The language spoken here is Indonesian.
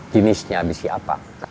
jenisnya busi apa